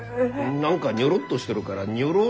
何かニョロっとしてるからニョロサボテン。